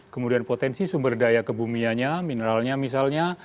kemudian potensi sumber daya kebumianya mineralnya misalnya